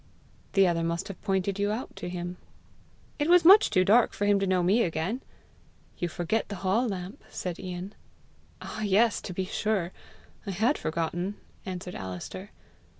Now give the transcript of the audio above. "The other must have pointed you out to him!" "It was much too dark for him to know me again!" "You forget the hall lamp!" said Ian. "Ah, yes, to be sure! I had forgotten!" answered Alister.